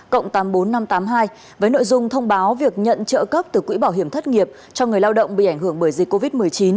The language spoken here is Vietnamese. cộng tám mươi bốn nghìn năm trăm tám mươi hai với nội dung thông báo việc nhận trợ cấp từ quỹ bảo hiểm thất nghiệp cho người lao động bị ảnh hưởng bởi dịch covid một mươi chín